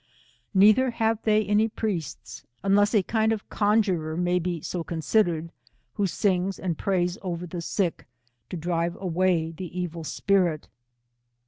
Neither have they any priests, unless a kind of conjurer may he so consitlered, who sings and prays over the sick, to drive away the evil spirit.